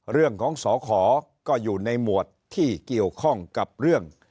เรื่องของสอขอก็อยู่ในหมวดที่เกี่ยวข้องกับเรื่อง